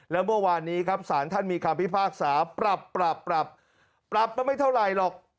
แล้วเมื่อวานนี้ครับสารท่านมีคำพิพากษาปรับปรับมาไม่เท่าไหร่หรอก